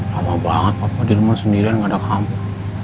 lama banget papa di rumah sendirian gak ada kampung